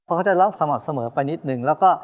เพราะเขาจะรอสมุดเสมอไปนิดหนึ่งแล้วก็